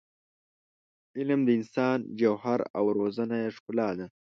علم د انسان جوهر او روزنه یې ښکلا ده.